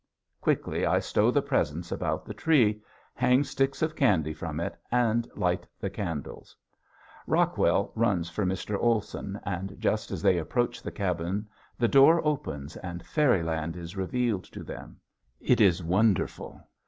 Quickly I stow the presents about the tree, hang sticks of candy from it, and light the candles. Rockwell runs for Mr. Olson, and just as they approach the cabin the door opens and fairyland is revealed to them. It is wonderful.